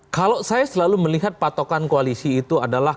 kalau saya selalu melihat patokan koalisi itu adalah